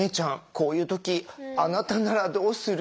こういう時あなたならどうする？